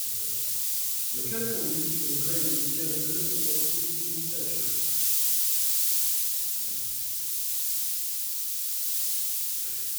Mechanical music engraving began in the middle of the fifteenth century.